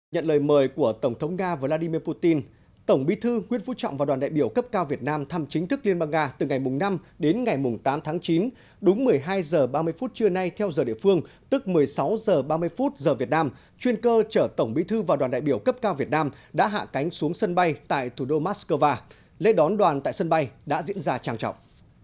nhận lời mời của tổng thống nga vladimir putin tổng bí thư nguyễn phú trọng và đoàn đại biểu cấp cao việt nam thăm chính thức liên bang nga từ ngày năm đến ngày tám tháng chín đúng một mươi hai h ba mươi phút trưa nay theo giờ địa phương tức một mươi sáu h ba mươi phút giờ việt nam chuyên cơ chở tổng bí thư và đoàn đại biểu cấp cao việt nam đã hạ cánh xuống sân bay tại thủ đô moscow lễ đón đoàn tại sân bay đã diễn ra trang trọng